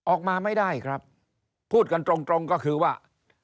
ออกมาไม่ได้ครับพูดกันตรงก็คือว่า